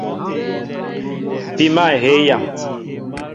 Pima ehey yam.